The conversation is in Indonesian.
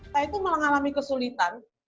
saya itu mengalami kesulitan